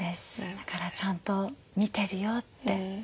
だからちゃんと見てるよって。